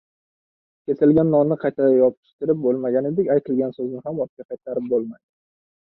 • Kesilgan nonni qayta yopishtirib bo‘lmaganidek, aytilgan so‘zni ham ortga qaytarib bo‘lmaydi.